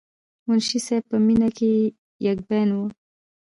منشي صېب پۀ مينه کښې يک بين وو،